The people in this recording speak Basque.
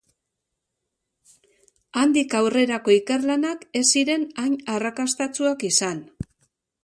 Handik aurrerako ikerlanak ez ziren hain arrakastatsuak izan.